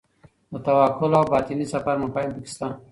د توکل او باطني سفر مفاهیم پکې شته.